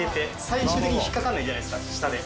最終的に引っ掛からないじゃないですか下で。